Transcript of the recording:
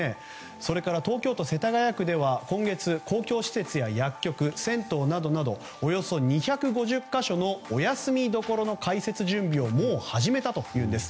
それから東京都世田谷区では今月公共施設や薬局銭湯などなどおよそ２５０か所のお休み処の開設準備をもう始めたといいます。